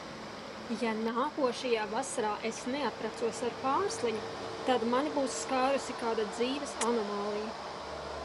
Ja nākošā vasarā es neapprecos ar Pārsliņu, tad mani būs skārusi kāda dzīves anomālija!